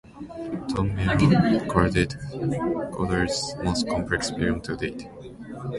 Tom Milne called it Godard's most complex film to date.